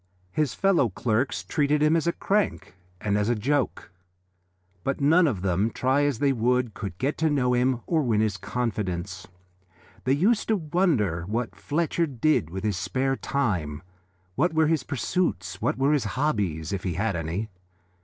His fellow clerks treated him as a crank and as a joke, but none of them, try as they would, could get to know him or win his confidence. They used to wonder what Fletcher did with his spare time, what were his pursuits, what were his hobbies, if he had any.